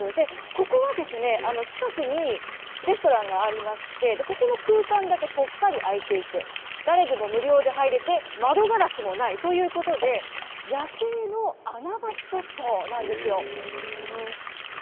ここはですね、近くにレストランがありまして、ここの空間だけぽっかり空いていて、誰でも無料で入れて、窓ガラスもないということで、夜景の穴場スポットなんですよ。